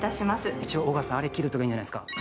一応、尾形さん、あれ聞いといた方がいいんじゃないですか？